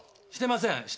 してません！